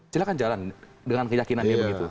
silahkan jalan dengan keyakinannya begitu